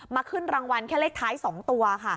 ขึ้นรางวัลแค่เลขท้าย๒ตัวค่ะ